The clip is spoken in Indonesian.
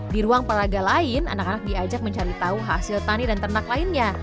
di ruang peraga lain anak anak diajak mencari tahu hasil tani dan ternak lainnya